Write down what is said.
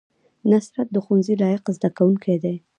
نصرت د ښوونځي لایق زده کوونکی دی